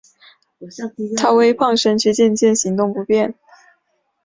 她微胖身躯渐渐行动不便